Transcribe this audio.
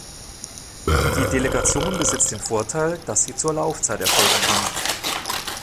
Die Delegation besitzt den Vorteil, dass sie zur Laufzeit erfolgen kann.